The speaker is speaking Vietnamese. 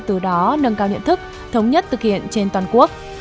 từ đó nâng cao nhận thức thống nhất thực hiện trên toàn quốc